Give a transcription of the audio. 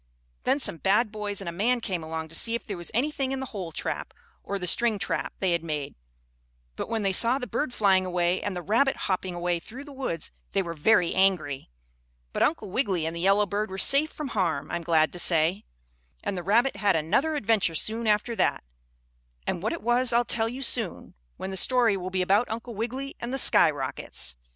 Then some bad boys and a man came along to see if there was anything in the hole trap, or the string trap they had made; but when they saw the bird flying away and the rabbit hopping away through the woods they were very angry. But Uncle Wiggily and the yellow bird were safe from harm, I'm glad to say. And the rabbit had another adventure soon after that, and what it was I'll tell you soon, when the story will be about Uncle Wiggily and the skyrockets.